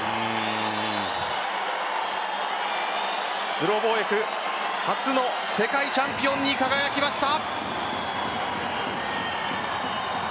ツロボエフ、初の世界チャンピオンに輝きました。